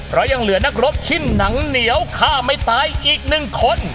เพราะยังเหลือนักรบชิ้นหนังเหนียวฆ่าไม่ตายอีกหนึ่งคน